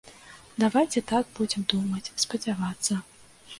Давайце так будзем думаць, спадзявацца.